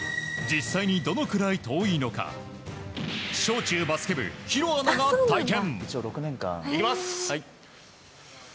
実際にどのくらい遠いのか小中バスケ部、弘アナが体験。